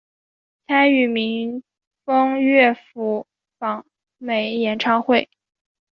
参与民风乐府访美演唱会。